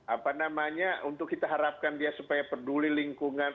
apa namanya untuk kita harapkan dia supaya peduli lingkungan